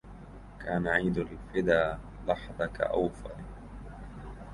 كان عيد الفدا لحظك أوفر